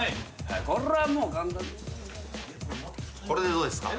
これでどうですか？